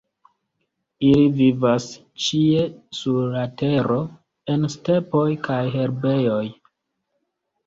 Ili vivas ĉie sur la Tero, en stepoj kaj herbejoj.